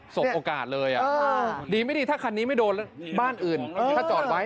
สบโอกาสเลยดีไม่ดีถ้าคันนี้ไม่โดนบ้านอื่นถ้าจอดไว้